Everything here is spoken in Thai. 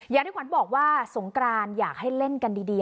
อย่างที่ขวัญบอกว่าสงกรานอยากให้เล่นกันดี